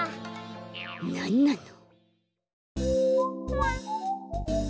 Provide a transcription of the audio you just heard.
なんなの！？